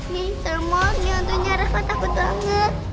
nih temen nih hantunya rafa takut banget